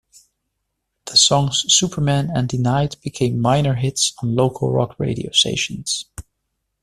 The songs "Superman" and "Denied" became minor hits on local rock radio stations.